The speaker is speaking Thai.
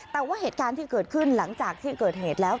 แต่ว่าเหตุการณ์ที่เกิดขึ้นหลังจากที่เกิดเหตุแล้ว